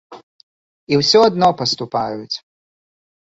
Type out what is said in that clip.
І ўсё адно паступаюць!